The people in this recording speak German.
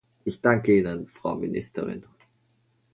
Ich danke Ihnen, Frau Ministerin.